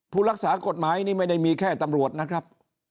รักษากฎหมายนี่ไม่ได้มีแค่ตำรวจนะครับ